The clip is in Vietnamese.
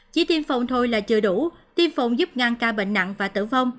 chỉ tiêm phòng thôi là chưa đủ tiêm phòng giúp ngăn ca bệnh nặng và tử vong